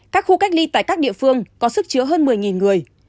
các khu cách ly tại các địa phương có sức chứa hơn một mươi người